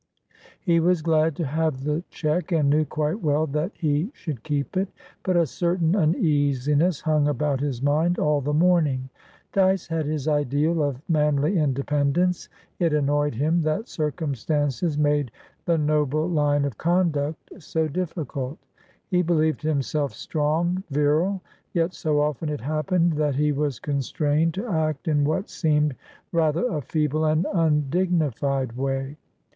He was glad to have the cheque, and knew quite well that he should keep it, but a certain uneasiness hung about his mind all the morning. Dyce had his ideal of manly independence; it annoyed him that circumstances made the noble line of conduct so difficult. He believed himself strong, virile, yet so often it happened that he was constrained to act in what seemed rather a feeble and undignified way.